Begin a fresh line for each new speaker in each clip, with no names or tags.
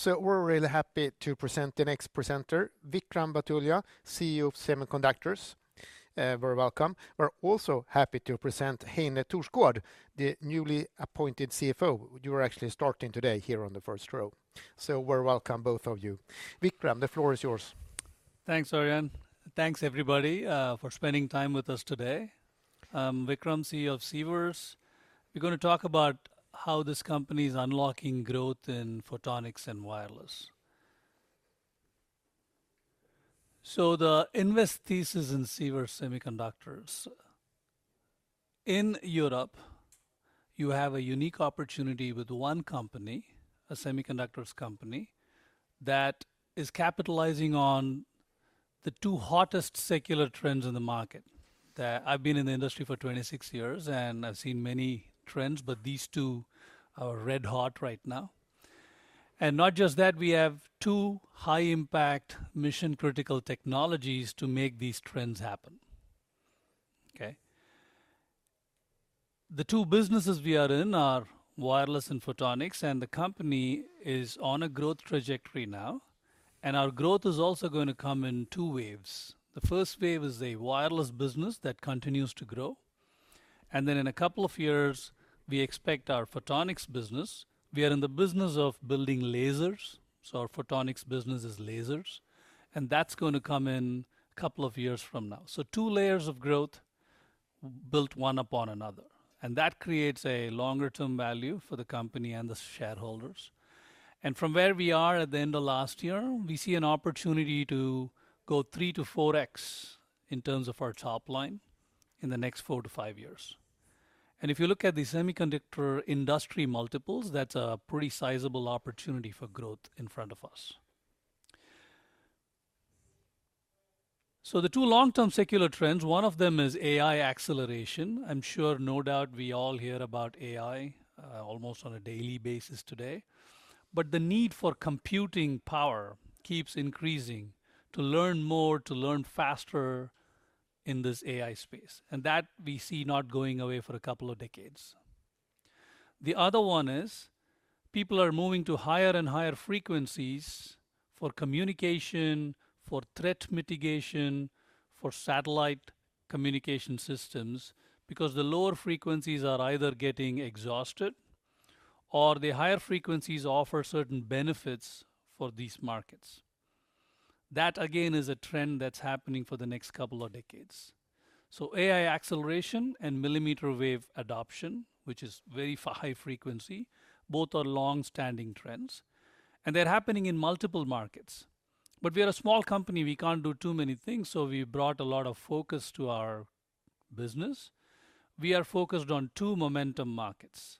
So we're really happy to present the next presenter, Vickram Vathulya, CEO of Sivers Semiconductors. We welcome. We're also happy to present Heine Thorsgaard, the newly appointed CFO. You are actually starting today, here on the first row. So we welcome, both of you. Vickram, the floor is yours.
Thanks, Arjan. Thanks, everybody, for spending time with us today. I'm Vickram, CEO of Sivers. We're going to talk about how this company is unlocking growth in photonics and wireless, so the investment thesis in Sivers Semiconductors. In Europe, you have a unique opportunity with one company, a semiconductors company, that is capitalizing on the two hottest secular trends in the market. I've been in the industry for 26 years, and I've seen many trends, but these two are red hot right now, and not just that, we have two high-impact mission-critical technologies to make these trends happen. Okay. The two businesses we are in are wireless and photonics, and the company is on a growth trajectory now, and our growth is also going to come in two waves. The first wave is a wireless business that continues to grow. Then, in a couple of years, we expect our photonics business. We are in the business of building lasers. So our photonics business is lasers. And that's going to come in a couple of years from now. So two layers of growth built one upon another. And that creates a longer-term value for the company and the shareholders. And from where we are at the end of last year, we see an opportunity to go 3-4x in terms of our top line in the next 4-5 years. And if you look at the semiconductor industry multiples, that's a pretty sizable opportunity for growth in front of us. So the two long-term secular trends, one of them is AI acceleration. I'm sure, no doubt, we all hear about AI almost on a daily basis today. But the need for computing power keeps increasing to learn more, to learn faster in this AI space, and that we see not going away for a couple of decades. The other one is people are moving to higher and higher frequencies for communication, for threat mitigation, for satellite communication systems, because the lower frequencies are either getting exhausted or the higher frequencies offer certain benefits for these markets. That, again, is a trend that's happening for the next couple of decades, so AI acceleration and millimeter wave adoption, which is very high frequency, both are long-standing trends, and they're happening in multiple markets, but we are a small company. We can't do too many things, so we brought a lot of focus to our business. We are focused on two momentum markets.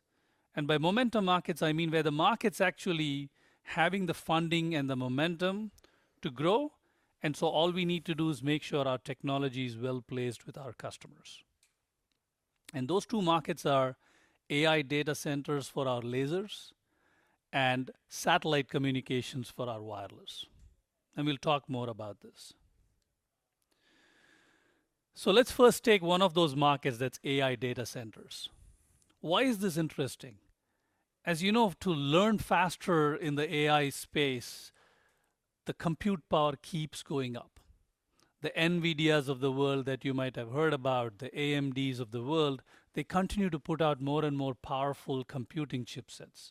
By momentum markets, I mean where the market's actually having the funding and the momentum to grow. So all we need to do is make sure our technology is well placed with our customers. Those two markets are AI data centers for our lasers and satellite communications for our wireless. We'll talk more about this. Let's first take one of those markets that's AI data centers. Why is this interesting? As you know, to learn faster in the AI space, the compute power keeps going up. The NVIDIAs of the world that you might have heard about, the AMDs of the world, they continue to put out more and more powerful computing chipsets.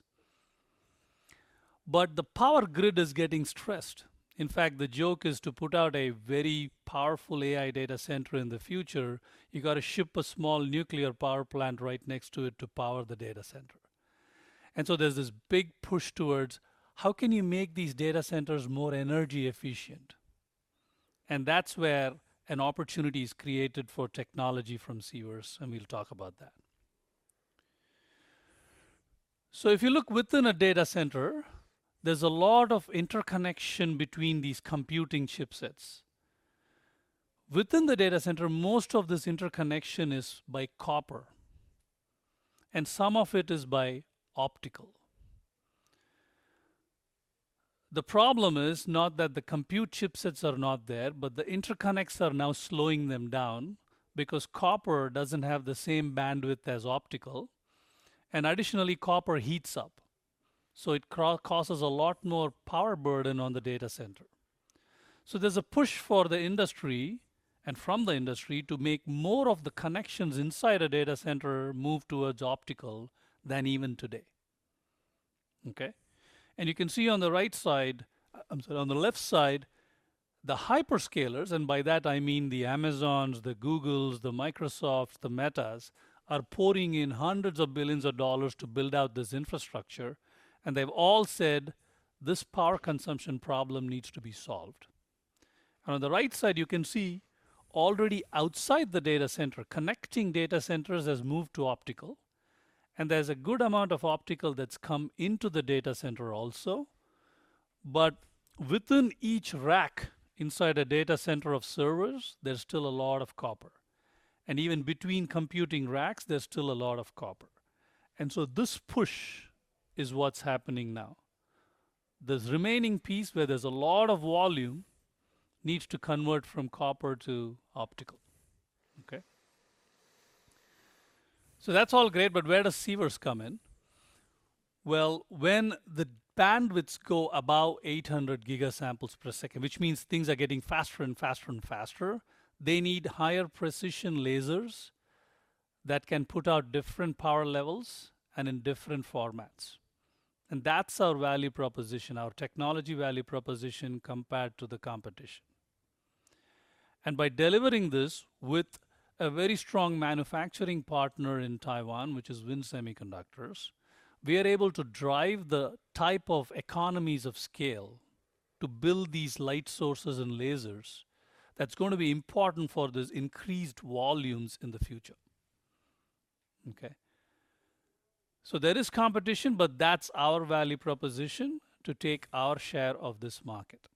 But the power grid is getting stressed. In fact, the joke is to put out a very powerful AI data center in the future, you've got to ship a small nuclear power plant right next to it to power the data center, and so there's this big push towards how can you make these data centers more energy efficient?, and that's where an opportunity is created for technology from Sivers, and we'll talk about that, so if you look within a data center, there's a lot of interconnection between these computing chipsets. Within the data center, most of this interconnection is by copper, and some of it is by optical. The problem is not that the compute chipsets are not there, but the interconnects are now slowing them down because copper doesn't have the same bandwidth as optical, and additionally, copper heats up, so it causes a lot more power burden on the data center. There's a push for the industry and from the industry to make more of the connections inside a data center move towards optical than even today. Okay. And you can see on the right side, I'm sorry, on the left side, the hyperscalers, and by that I mean the Amazons, the Googles, the Microsofts, the Metas, are pouring in hundreds of billions of dollars to build out this infrastructure. And they've all said this power consumption problem needs to be solved. And on the right side, you can see already outside the data center, connecting data centers has moved to optical. And there's a good amount of optical that's come into the data center also. But within each rack inside a data center of servers, there's still a lot of copper. And even between computing racks, there's still a lot of copper. And so this push is what's happening now. This remaining piece where there's a lot of volume needs to convert from copper to optical. Okay. So that's all great. But where does Sivers come in? Well, when the bandwidths go above 800 gigasamples per second, which means things are getting faster and faster and faster, they need higher precision lasers that can put out different power levels and in different formats. And that's our value proposition, our technology value proposition compared to the competition. And by delivering this with a very strong manufacturing partner in Taiwan, which is WIN Semiconductors, we are able to drive the type of economies of scale to build these light sources and lasers that's going to be important for these increased volumes in the future. Okay. So there is competition, but that's our value proposition to take our share of this market.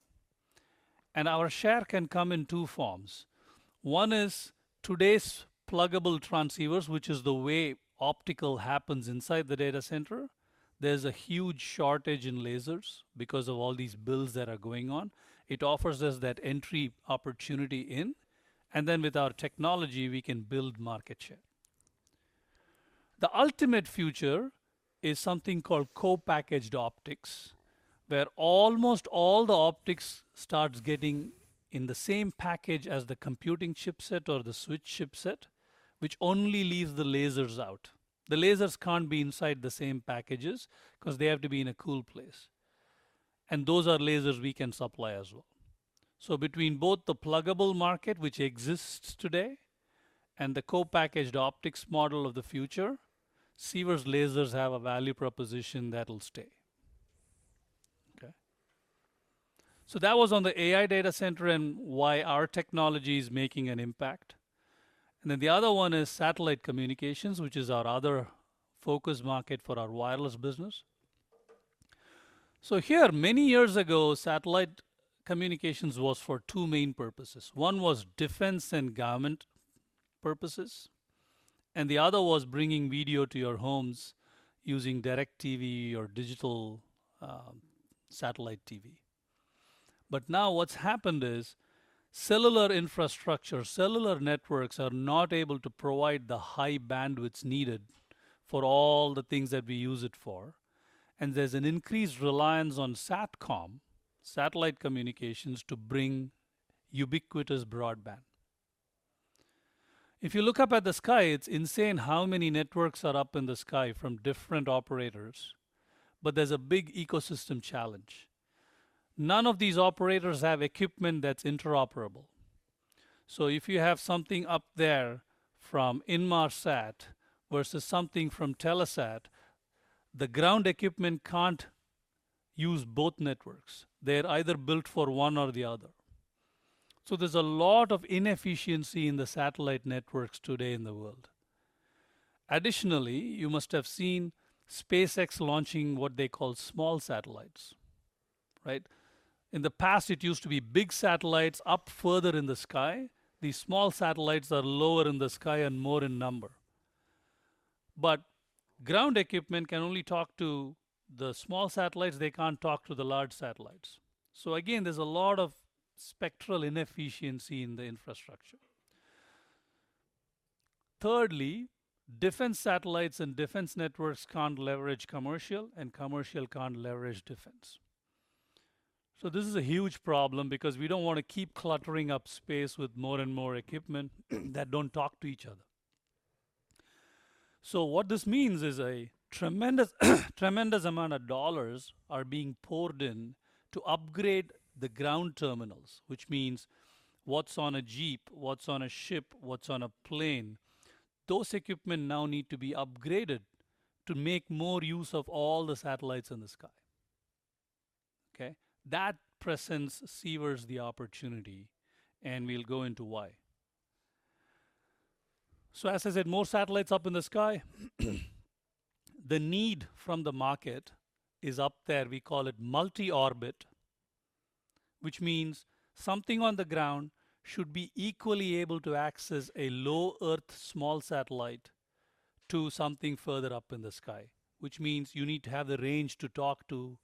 And our share can come in two forms. One is today's pluggable transceivers, which is the way optical happens inside the data center. There's a huge shortage in lasers because of all these builds that are going on. It offers us that entry opportunity in. And then with our technology, we can build market share. The ultimate future is something called co-packaged optics, where almost all the optics starts getting in the same package as the computing chipset or the switch chipset, which only leaves the lasers out. The lasers can't be inside the same packages because they have to be in a cool place. And those are lasers we can supply as well. So between both the pluggable market, which exists today, and the co-packaged optics model of the future, Sivers lasers have a value proposition that'll stay. Okay. That was on the AI data center and why our technology is making an impact. And then the other one is satellite communications, which is our other focus market for our wireless business. So here, many years ago, satellite communications was for two main purposes. One was defense and government purposes. And the other was bringing video to your homes using DirecTV or digital satellite TV. But now what's happened is cellular infrastructure, cellular networks are not able to provide the high bandwidths needed for all the things that we use it for. And there's an increased reliance on SatCom, satellite communications to bring ubiquitous broadband. If you look up at the sky, it's insane how many networks are up in the sky from different operators. But there's a big ecosystem challenge. None of these operators have equipment that's interoperable. So if you have something up there from Inmarsat versus something from Telesat, the ground equipment can't use both networks. They're either built for one or the other. So there's a lot of inefficiency in the satellite networks today in the world. Additionally, you must have seen SpaceX launching what they call small satellites. Right? In the past, it used to be big satellites up further in the sky. These small satellites are lower in the sky and more in number. But ground equipment can only talk to the small satellites. They can't talk to the large satellites. So again, there's a lot of spectral inefficiency in the infrastructure. Thirdly, defense satellites and defense networks can't leverage commercial, and commercial can't leverage defense. So this is a huge problem because we don't want to keep cluttering up space with more and more equipment that don't talk to each other. So what this means is a tremendous amount of dollars are being poured in to upgrade the ground terminals, which means what's on a jeep, what's on a ship, what's on a plane. Those equipment now need to be upgraded to make more use of all the satellites in the sky. Okay. That presents Sivers the opportunity, and we'll go into why. So as I said, more satellites up in the sky. The need from the market is up there. We call it multi-orbit, which means something on the ground should be equally able to access a low Earth small satellite to something further up in the sky, which means you need to have the range to talk to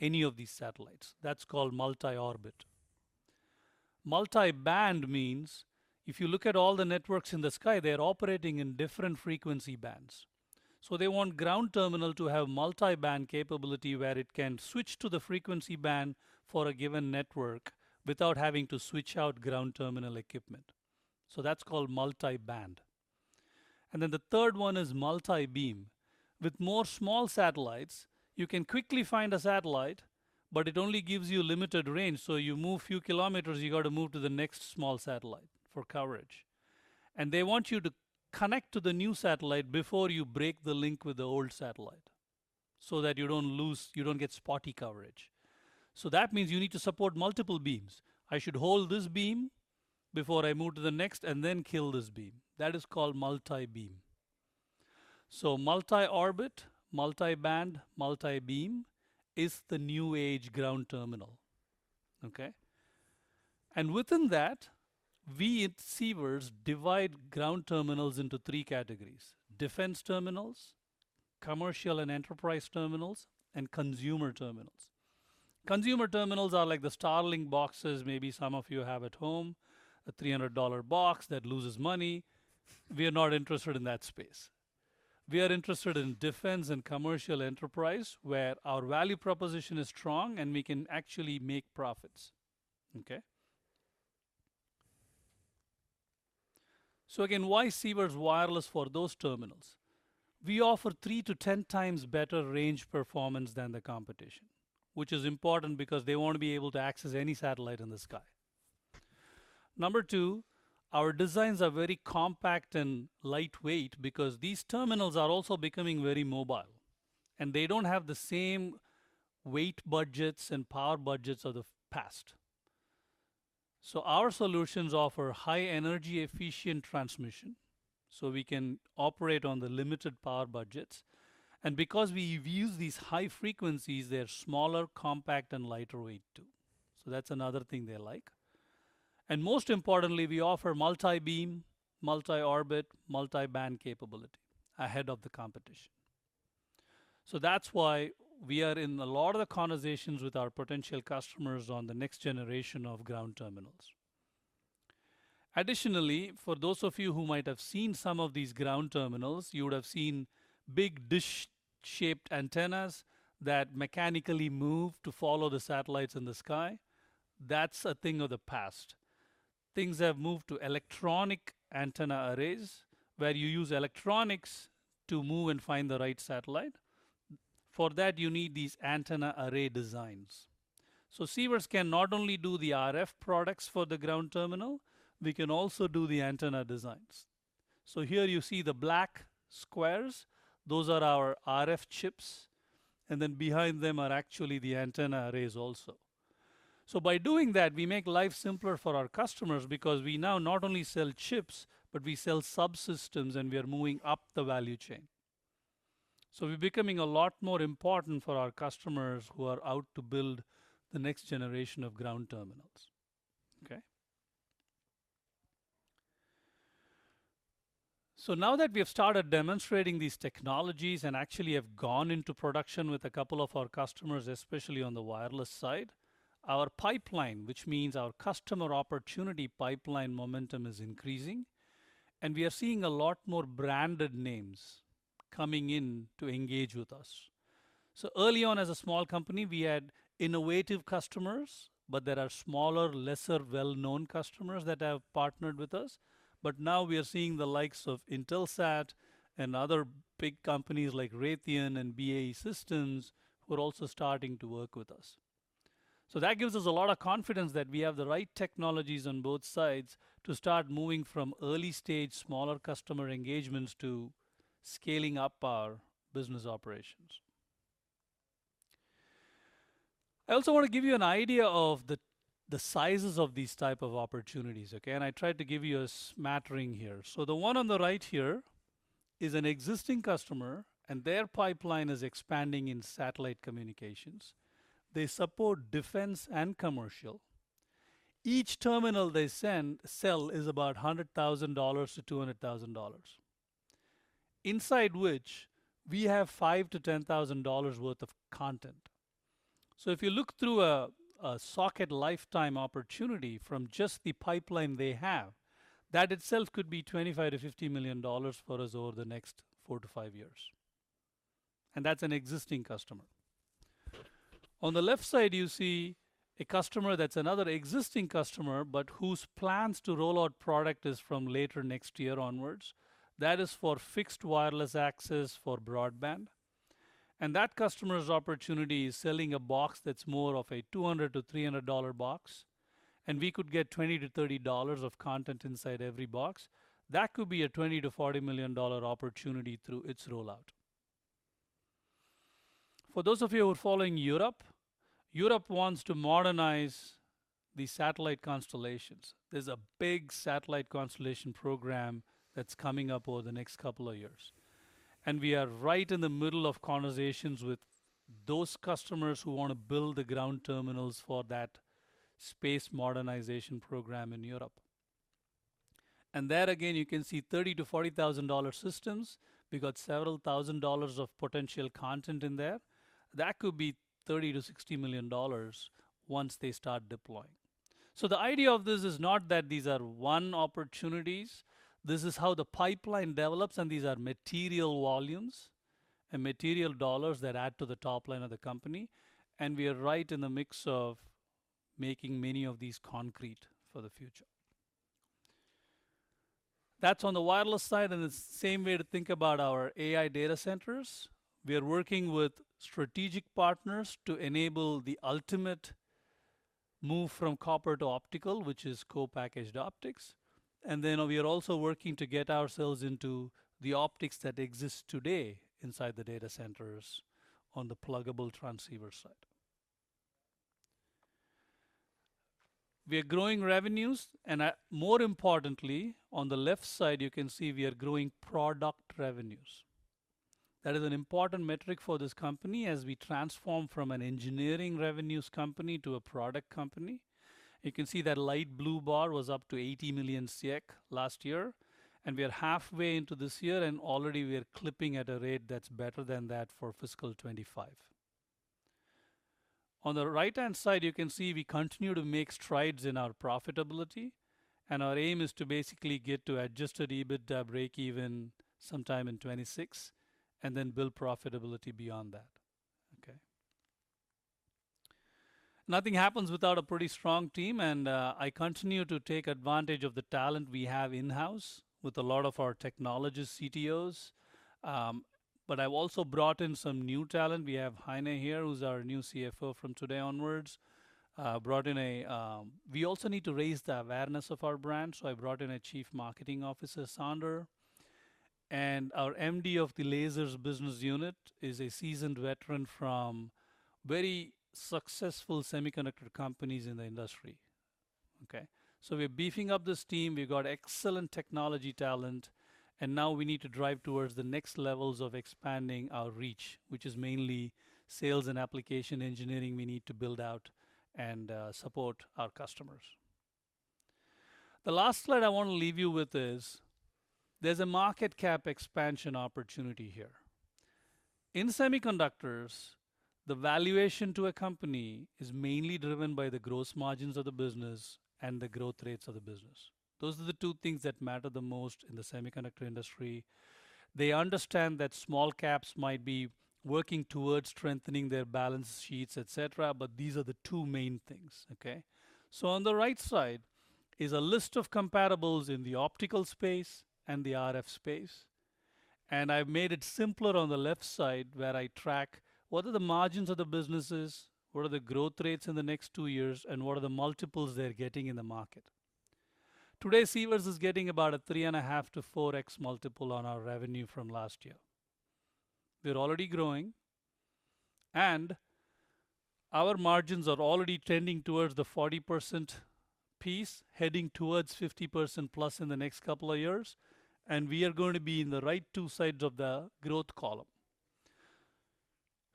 any of these satellites. That's called multi-orbit. Multi-band means if you look at all the networks in the sky, they're operating in different frequency bands. So they want ground terminal to have multi-band capability where it can switch to the frequency band for a given network without having to switch out ground terminal equipment. So that's called multi-band. And then the third one is multi-beam. With more small satellites, you can quickly find a satellite, but it only gives you limited range. So you move a few kilometers, you've got to move to the next small satellite for coverage. And they want you to connect to the new satellite before you break the link with the old satellite so that you don't lose, you don't get spotty coverage. So that means you need to support multiple beams. I should hold this beam before I move to the next and then kill this beam. That is called multi-beam. So multi-orbit, multi-band, multi-beam is the new age ground terminal. Okay. Within that, we at Sivers divide ground terminals into three categories: defense terminals, commercial and enterprise terminals, and consumer terminals. Consumer terminals are like the Starlink boxes maybe some of you have at home, a $300 box that loses money. We are not interested in that space. We are interested in defense and commercial enterprise where our value proposition is strong and we can actually make profits. Okay. Again, why Sivers wireless for those terminals? We offer three to ten times better range performance than the competition, which is important because they won't be able to access any satellite in the sky. Number two, our designs are very compact and lightweight because these terminals are also becoming very mobile. They don't have the same weight budgets and power budgets of the past. Our solutions offer high energy efficient transmission so we can operate on the limited power budgets. Because we've used these high frequencies, they're smaller, compact, and lighter weight too. That's another thing they like. Most importantly, we offer multi-beam, multi-orbit, multi-band capability ahead of the competition. That's why we are in a lot of the conversations with our potential customers on the next generation of ground terminals. Additionally, for those of you who might have seen some of these ground terminals, you would have seen big dish-shaped antennas that mechanically move to follow the satellites in the sky. That's a thing of the past. Things have moved to electronic antenna arrays where you use electronics to move and find the right satellite. For that, you need these antenna array designs. Sivers can not only do the RF products for the ground terminal. We can also do the antenna designs. Here you see the black squares. Those are our RF chips. And then behind them are actually the antenna arrays also. By doing that, we make life simpler for our customers because we now not only sell chips, but we sell subsystems and we are moving up the value chain. We're becoming a lot more important for our customers who are out to build the next generation of ground terminals. Okay. Now that we have started demonstrating these technologies and actually have gone into production with a couple of our customers, especially on the wireless side, our pipeline, which means our customer opportunity pipeline momentum is increasing. We are seeing a lot more branded names coming in to engage with us. So early on, as a small company, we had innovative customers, but there are smaller, lesser well-known customers that have partnered with us. But now we are seeing the likes of Intelsat and other big companies like Raytheon and BAE Systems who are also starting to work with us. So that gives us a lot of confidence that we have the right technologies on both sides to start moving from early stage smaller customer engagements to scaling up our business operations. I also want to give you an idea of the sizes of these types of opportunities, okay? And I tried to give you a smattering here. So the one on the right here is an existing customer, and their pipeline is expanding in satellite communications. They support defense and commercial. Each terminal they sell is about $100,000-$200,000, inside which we have $5,000-$10,000 worth of content. So if you look through a socket lifetime opportunity from just the pipeline they have, that itself could be $25 to $50 million for us over the next four to five years. And that's an existing customer. On the left side, you see a customer that's another existing customer, but whose plans to roll out product is from later next year onwards. That is for fixed wireless access for broadband. And that customer's opportunity is selling a box that's more of a $200-$300 box. And we could get $20-$30 of content inside every box. That could be a $20 to $40 million opportunity through its rollout. For those of you who are following Europe, Europe wants to modernize the satellite constellations. There's a big satellite constellation program that's coming up over the next couple of years. We are right in the middle of conversations with those customers who want to build the ground terminals for that space modernization program in Europe. And there again, you can see $30,000-$40,000 systems. We got several thousand dollars of potential content in there. That could be $30 million to $60 million once they start deploying. So the idea of this is not that these are one opportunities. This is how the pipeline develops, and these are material volumes and material dollars that add to the top line of the company. And we are right in the mix of making many of these concrete for the future. That's on the wireless side. And the same way to think about our AI data centers. We are working with strategic partners to enable the ultimate move from copper to optical, which is co-packaged optics. And then we are also working to get ourselves into the optics that exist today inside the data centers on the pluggable transceiver side. We are growing revenues. And more importantly, on the left side, you can see we are growing product revenues. That is an important metric for this company as we transform from an engineering revenues company to a product company. You can see that light blue bar was up to 80 million last year. And we are halfway into this year, and already we are clipping at a rate that's better than that for fiscal 2025. On the right-hand side, you can see we continue to make strides in our profitability. And our aim is to basically get to Adjusted EBITDA breakeven sometime in 2026 and then build profitability beyond that. Okay. Nothing happens without a pretty strong team. And I continue to take advantage of the talent we have in-house with a lot of our technology CTOs. But I've also brought in some new talent. We have Heine here, who's our new CFO from today onwards. Brought in. We also need to raise the awareness of our brand. So I brought in a Chief Marketing Officer, Sander. And our MD of the Lasers business unit is a seasoned veteran from very successful semiconductor companies in the industry. Okay. So we're beefing up this team. We've got excellent technology talent. And now we need to drive towards the next levels of expanding our reach, which is mainly sales and application engineering, we need to build out and support our customers. The last slide I want to leave you with is there's a market cap expansion opportunity here. In semiconductors, the valuation to a company is mainly driven by the gross margins of the business and the growth rates of the business. Those are the two things that matter the most in the semiconductor industry. They understand that small caps might be working towards strengthening their balance sheets, etc., but these are the two main things. Okay. On the right side is a list of comparables in the optical space and the RF space. I've made it simpler on the left side where I track what are the margins of the businesses, what are the growth rates in the next two years, and what are the multiples they're getting in the market. Today, Sivers is getting about a 3.5x-4x multiple on our revenue from last year. They're already growing. Our margins are already trending towards the 40% piece, heading towards 50% plus in the next couple of years. We are going to be in the right two sides of the growth column.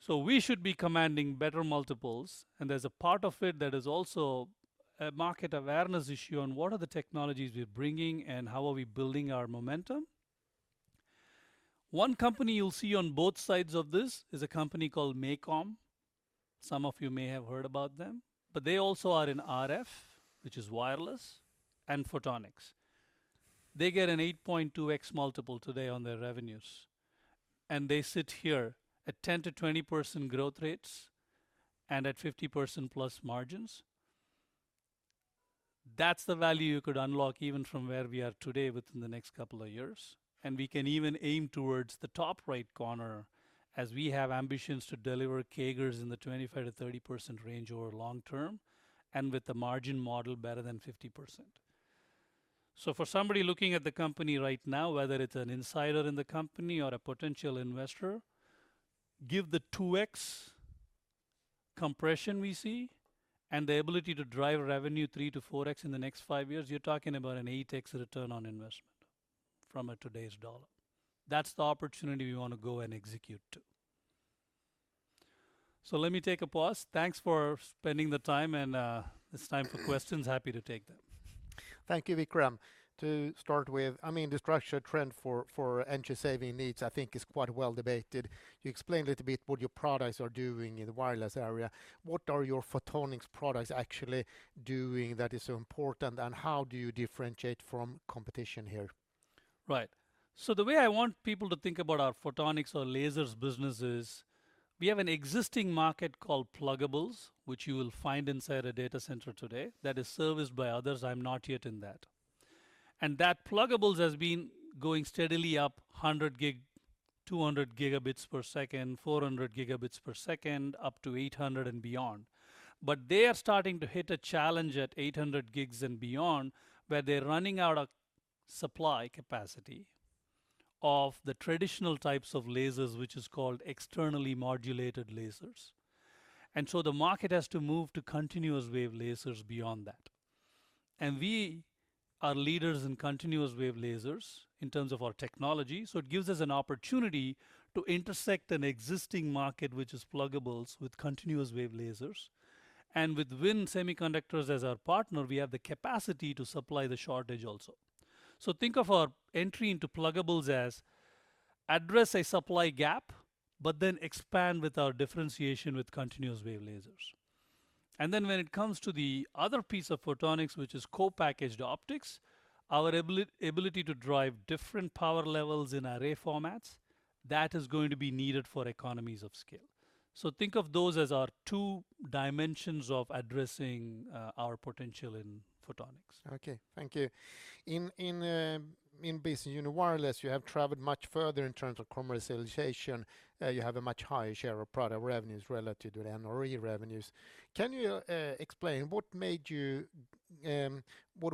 We should be commanding better multiples. There's a part of it that is also a market awareness issue on what are the technologies we're bringing and how are we building our momentum. One company you'll see on both sides of this is a company called MACOM. Some of you may have heard about them, but they also are in RF, which is wireless, and photonics. They get an 8.2x multiple today on their revenues. They sit here at 10%-20% growth rates and at 50% plus margins. That's the value you could unlock even from where we are today within the next couple of years. We can even aim towards the top right corner as we have ambitions to deliver CAGRs in the 25%-30% range over the long term and with the margin model better than 50%. So for somebody looking at the company right now, whether it's an insider in the company or a potential investor, given the 2X compression we see and the ability to drive revenue three to 4X in the next five years, you're talking about an 8X return on investment from today's dollar. That's the opportunity we want to go and execute to. Let me take a pause. Thanks for spending the time. It's time for questions. Happy to take them. Thank you, Vickram. To start with, I mean, the structural trend for energy saving needs, I think, is quite well debated. You explained a little bit what your products are doing in the wireless area. What are your photonics products actually doing that is so important? And how do you differentiate from competition here? Right. So the way I want people to think about our photonics or lasers business is we have an existing market called pluggables, which you will find inside a data center today that is serviced by others. I'm not yet in that. And that pluggables has been going steadily up 100 gig, 200 gigabits per second, 400 gigabits per second, up to 800 and beyond. But they are starting to hit a challenge at 800 gigs and beyond where they're running out of supply capacity of the traditional types of lasers, which is called externally modulated lasers. And so the market has to move to continuous wave lasers beyond that. We are leaders in continuous wave lasers in terms of our technology. It gives us an opportunity to intersect an existing market, which is pluggables, with continuous wave lasers. With WIN Semiconductors as our partner, we have the capacity to supply the shortage also. Think of our entry into pluggables as address a supply gap, but then expand with our differentiation with continuous wave lasers. When it comes to the other piece of photonics, which is co-packaged optics, our ability to drive different power levels in array formats, that is going to be needed for economies of scale. Think of those as our two dimensions of addressing our potential in photonics. Okay. Thank you. In business, you know, wireless, you have traveled much further in terms of commercialization. You have a much higher share of product revenues relative to the NRE revenues. Can you explain what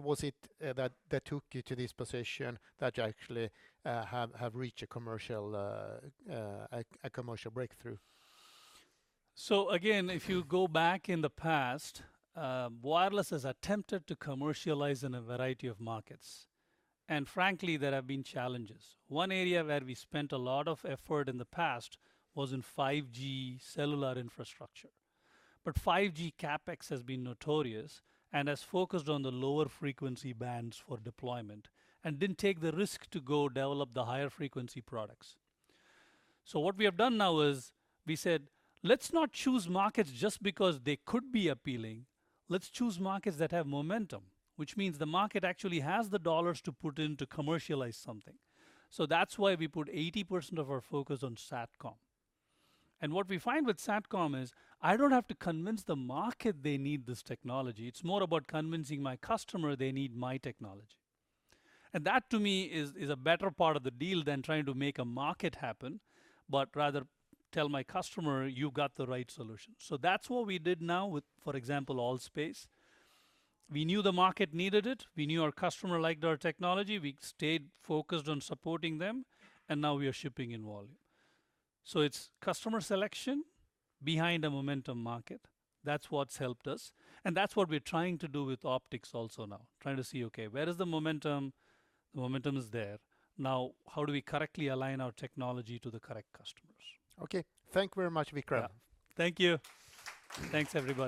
was it that took you to this position that you actually have reached a commercial breakthrough? So again, if you go back in the past, wireless has attempted to commercialize in a variety of markets. And frankly, there have been challenges. One area where we spent a lot of effort in the past was in 5G cellular infrastructure. But 5G CapEx has been notorious and has focused on the lower frequency bands for deployment and didn't take the risk to go develop the higher frequency products. So what we have done now is we said, let's not choose markets just because they could be appealing. Let's choose markets that have momentum, which means the market actually has the dollars to put in to commercialize something. So that's why we put 80% of our focus on SatCom. And what we find with SatCom is I don't have to convince the market they need this technology. It's more about convincing my customer they need my technology. And that to me is a better part of the deal than trying to make a market happen, but rather tell my customer, you've got the right solution. So that's what we did now with, for example, All.Space. We knew the market needed it. We knew our customer liked our technology. We stayed focused on supporting them. And now we are shipping in volume. So it's customer selection behind a momentum market. That's what's helped us. And that's what we're trying to do with optics also now, trying to see, okay, where is the momentum? The momentum is there. Now, how do we correctly align our technology to the correct customers?
Okay. Thank you very much, Vickram.
Thank you. Thanks, everybody.